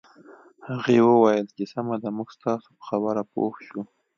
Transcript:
هغې وویل چې سمه ده موږ ستاسو په خبره پوه شوو